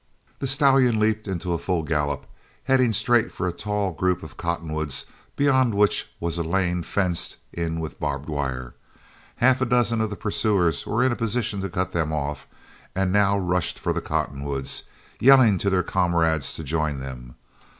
The stallion leaped into a full gallop, heading straight for a tall group of cottonwoods beyond which was a lane fenced in with barbed wire. Half a dozen of the pursuers were in a position to cut them off, and now rushed for the cottonwoods, yelling to their comrades to join them.